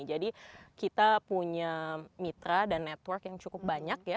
jadi kita punya mitra dan network yang cukup banyak ya